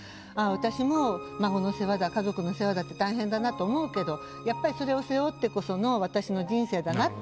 私も孫の世話だ家族の世話だって大変だなと思うけどやっぱりそれを背負ってこその私の人生だなって。